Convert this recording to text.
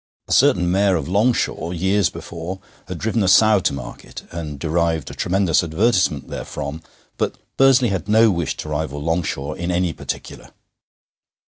A certain Mayor of Longshaw, years before, had driven a sow to market, and derived a tremendous advertisement therefrom, but Bursley had no wish to rival Longshaw in any particular.